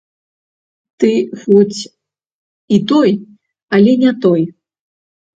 Ты хоць і той, але не той.